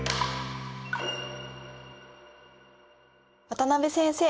渡辺先生。